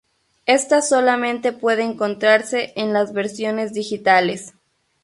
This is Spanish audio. Esta solamente puede encontrarse en las versiones digitales.